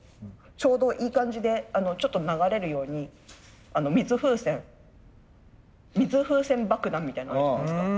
ちょうどいい感じでちょっと流れるように水風船水風船爆弾みたいのあるじゃないですか。